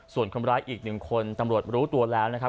ส่วนคนร้ายอีก๑คนตำรวจรู้ตัวแล้วนะครับ